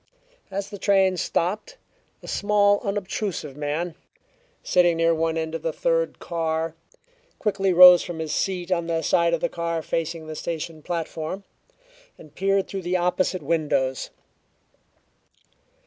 As the train stopped, a small, unobtrusive man, sitting near one end of the third car, quickly rose from his seat on the side of the car facing the station platform, and peered through the opposite windows.